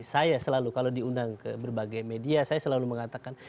saya selalu kalau diundang ke berbagai media saya selalu mengatakan